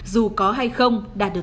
dù có hay không